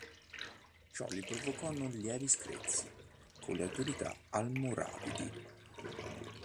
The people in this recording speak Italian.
Ciò gli provocò non lievi screzi con le autorità almoravidi.